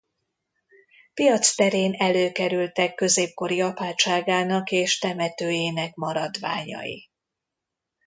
Piacterén előkerültek középkori apátságának és temetőjének maradványai.